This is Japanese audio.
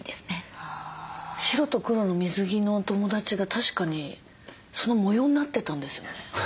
白と黒の水着の友達が確かにその模様になってたんですよね。